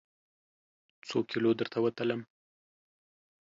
څوکیلو درته وتلم؟